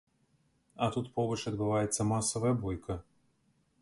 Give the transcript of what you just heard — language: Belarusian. А тут побач адбываецца масавая бойка.